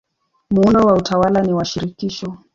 Muundo wa utawala ni wa shirikisho.